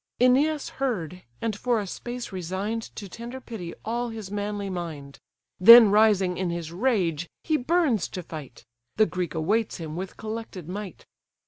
Æneas heard, and for a space resign'd To tender pity all his manly mind; Then rising in his rage, he burns to fight: The Greek awaits him with collected might.